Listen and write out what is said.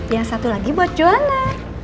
yang satu lagi buat joan